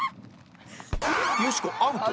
よしこアウト